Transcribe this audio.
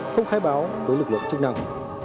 không khai báo với lực lượng chức năng